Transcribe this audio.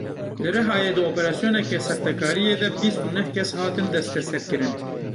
Li Rihayê di operasyoneke sextekariyê de bîst û neh kes hatin desteserkirin.